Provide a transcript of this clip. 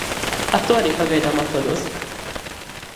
Ar to arī pagaidām atvados.